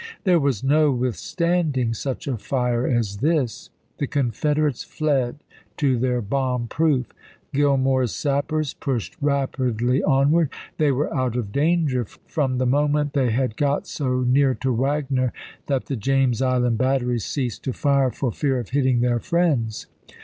There was no withstanding such a fire as this ; the Confederates fled to their bomb proof. Fill more's sappers pushed rapidly onward ; they were out of danger from the moment they had got so near to Wagner that the James Island batteries ceased to fire for fear of hitting their friends.